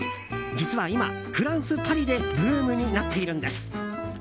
実は今、フランス・パリでブームになっているんです。